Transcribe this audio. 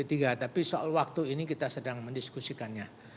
tapi soal waktu ini kita sedang mendiskusikannya